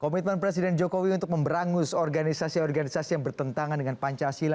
komitmen presiden jokowi untuk memberangus organisasi organisasi yang bertentangan dengan pancasila